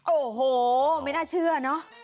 โอ้โหไม่น่าเชื่อเนอะ